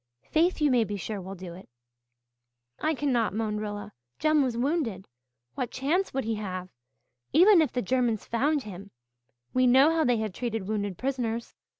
Faith, you may be sure, will do it." "I cannot," moaned Rilla, "Jem was wounded what chance would he have? Even if the Germans found him we know how they have treated wounded prisoners.